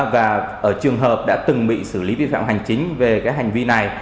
và ở trường hợp đã từng bị xử lý vi phạm hành chính về cái hành vi này